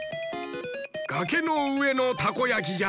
がけのうえのたこやきじゃ。